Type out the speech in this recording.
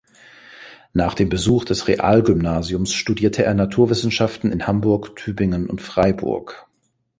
Nach dem Besuch des Realgymnasiums studierte er Naturwissenschaften in Hamburg, Tübingen und Freiburg.